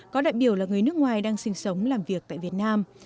có đại biểu là người nước ngoài đang sinh sống làm việc tại việt nam